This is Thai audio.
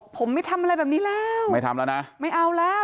ผมไม่ทำอะไรแบบนี้แล้วไม่ทำแล้วนะไม่เอาแล้ว